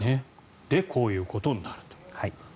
でこういうことになるという。